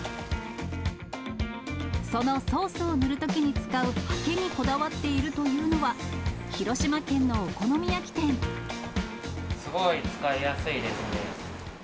そのソースを塗るときに使うはけにこだわっているというのは、すごい使いやすいですね。